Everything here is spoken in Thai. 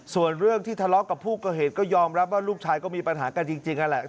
ส่วนเรื่องที่ทะเลาะกับผู้ก่อเหตุก็ยอมรับว่าลูกชายก็มีปัญหากันจริงนั่นแหละ